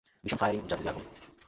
ভীষণ ফায়ারিং ও চারদিকে আগুন।